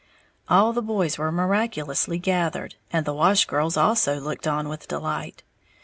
All the boys were miraculously gathered, and the wash girls also looked on with delight.